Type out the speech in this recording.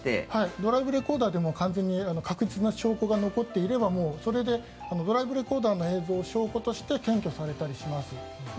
ドライブレコーダーでも完全に確実な証拠が残っていればドライブレコーダーの映像を証拠として検挙されたりします。